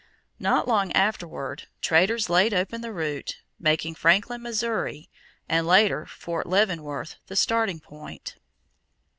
Not long afterward, traders laid open the route, making Franklin, Missouri, and later Fort Leavenworth the starting point.